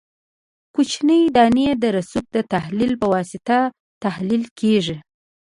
کوچنۍ دانې د رسوب د تحلیل په واسطه تحلیل کیږي